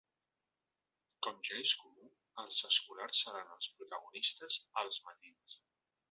Com ja és costum, els escolars seran els protagonistes als matins.